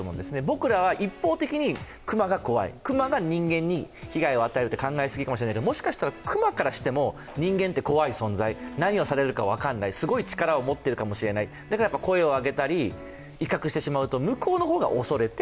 僕らは一方的に熊が怖い熊が人間に被害を与えると考えるけど、もしかしたら、熊からしても人間って怖い存在、何をされるか分からない、すごい力を持っているかもしれないだから声を上げたり、威嚇してしまうと、向こうの方が恐れて